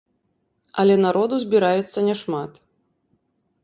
Але народу збіраецца няшмат.